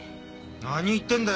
何言ってんだよ？